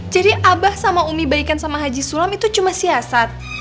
jadi abah sama umi baikan sama haji sulam itu cuma siasat